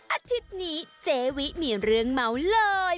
อาทิตย์นี้เจวิมีเรื่องเมาส์เลย